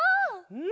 うん！